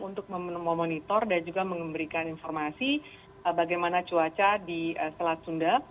untuk memonitor dan juga memberikan informasi bagaimana cuaca di selat sunda